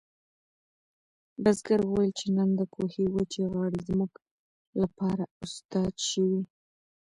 بزګر وویل چې نن د کوهي وچې غاړې زموږ لپاره استاد شوې.